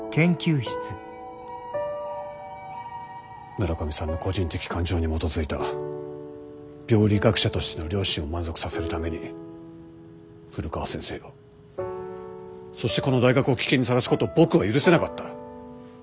村上さんの個人的感情に基づいた病理学者としての良心を満足させるために古川先生をそしてこの大学を危険にさらすことを僕は許せなかった。